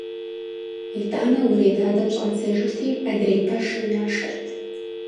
ИтӀанэ уэредадэм щӀадзэжырти, адрей пэшым яшэрт.